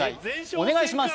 お願いします